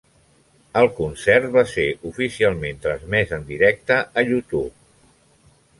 El concert va ser oficialment transmès en directe a YouTube.